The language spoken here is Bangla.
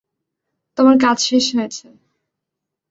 তোমার কাজ শেষ হয়েছে।